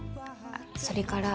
それから。